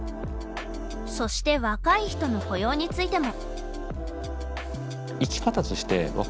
そして若い人の雇用についても。